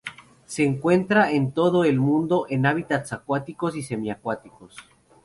Se encuentran en todo el mundo en hábitats acuáticos y semiacuáticos.